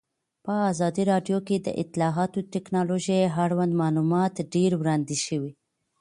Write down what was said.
په ازادي راډیو کې د اطلاعاتی تکنالوژي اړوند معلومات ډېر وړاندې شوي.